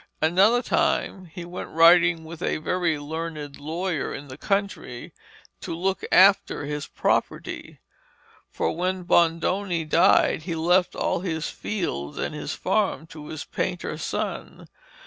Another time he went riding with a very learned lawyer into the country to look after his property. For when Bondone died, he left all his fields and his farm to his painter son.